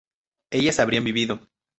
ellas habrían vivido